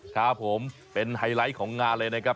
ครับผมเป็นไฮไลท์ของงานเลยนะครับ